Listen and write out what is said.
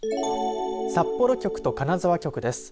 札幌局と金沢局です。